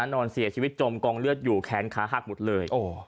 นอนเสียชีวิตจมกองเลือดอยู่แขนขาหักหมดเลย